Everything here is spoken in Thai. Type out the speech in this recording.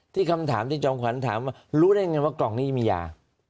คำถามที่จอมขวัญถามว่ารู้ได้ไงว่ากล่องนี้มียา